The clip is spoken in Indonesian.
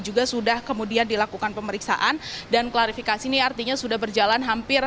juga sudah kemudian dilakukan pemeriksaan dan klarifikasi ini artinya sudah berjalan hampir